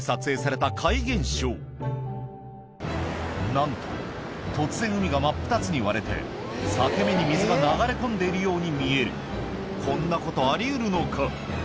なんと突然海が真っ二つに割れて裂け目に水が流れ込んでいるように見えるこんなことあり得るのか？